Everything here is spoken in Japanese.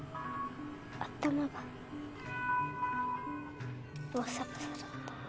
頭がボサボサだった。